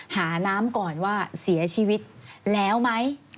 หาน้ำก่อนว่าเสียชีวิตแล้วไหม